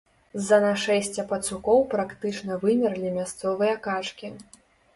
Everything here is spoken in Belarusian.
З-за нашэсця пацукоў практычна вымерлі мясцовыя качкі.